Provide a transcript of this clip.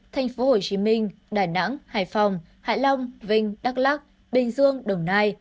thành phố hồ chí minh đà nẵng hải phòng hạ long vinh đắk lắc bình dương đồng nai